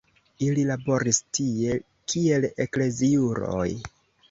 Ili laboris tie kiel ekleziuloj.